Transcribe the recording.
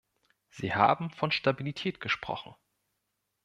Sie haben von Stabilität gesprochen.